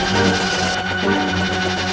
saya akan keluar